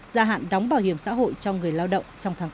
gia hạn đóng bảo hiểm xã hội cho người lao động trong tháng bốn